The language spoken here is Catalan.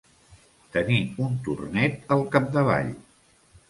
Tenir un tornet al capdavall.